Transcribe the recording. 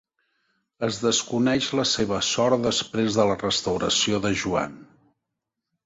Es desconeix la seva sort després de la restauració de Joan.